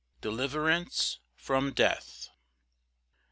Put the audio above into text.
Deliverance from death.